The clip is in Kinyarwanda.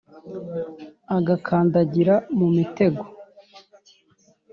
agakandagira mu mitego!